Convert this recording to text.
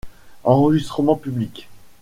Enregistrement public.